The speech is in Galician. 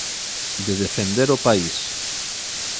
¿De defender o país?